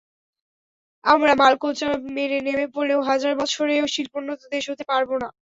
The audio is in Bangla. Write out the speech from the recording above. আমরা মালকোঁচা মেরে নেমে পড়লেও হাজার বছরেও শিল্পোন্নত দেশ হতে পারব না।